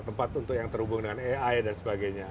tempat untuk yang terhubung dengan ai dan sebagainya